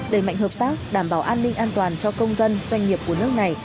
đẩy mạnh hợp tác đảm bảo an ninh an toàn cho công dân doanh nghiệp của nước này